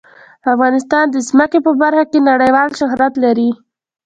افغانستان د ځمکه په برخه کې نړیوال شهرت لري.